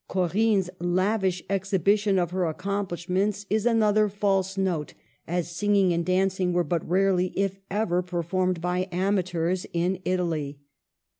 Co rinne's lavish exhibition of her accomplishments is another "false note," as singing and dancing were but rarely, if ever, performed by amateurs in Italy.